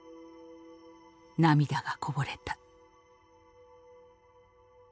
涙がこぼれた」。